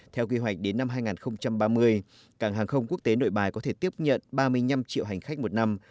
theo kế hoạch đến năm hai nghìn ba mươi cảng hàng không quốc tế nội bài có thể tiếp nhận ba mươi năm triệu hành khách một năm